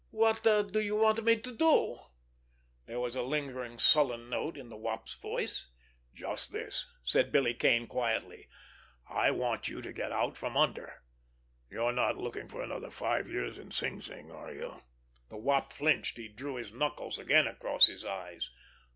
"What do you want me to do?" There was a lingering sullen note in the Wop's voice. "Just this," said Billy Kane quietly. "I want you to get out from under. You're not looking for another five years in Sing Sing, are you?" The Wop flinched. He drew his knuckles again across his eyes.